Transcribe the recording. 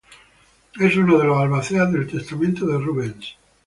Es uno de los albaceas del testamento de Rubens.